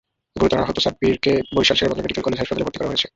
গুরুতর আহত সাব্বিরকে বরিশাল শেরে বাংলা মেডিকেল কলেজ হাসাপাতালে ভর্তি করা হয়েছে।